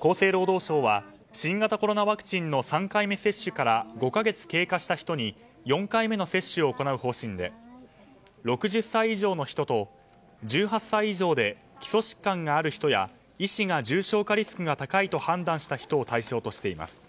厚生労働省は新型コロナワクチンの３回目接種から５か月経過した人に４回目の接種を行う方針で６０歳以上の人と１８歳以上で基礎疾患がある人や医師が重症化リスクが高いと判断した人を対象としています。